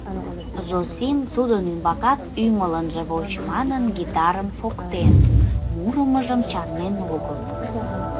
Зосим, тудын ӱмбакат ӱмыл ынже воч манын, гитарым шоктен, мурымыжым чарнен огыл.